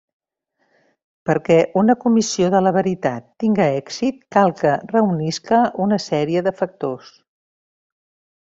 Perquè una comissió de la veritat tinga èxit cal que reunisca una sèrie de factors.